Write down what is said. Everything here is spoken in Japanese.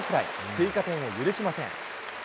追加点を許しません。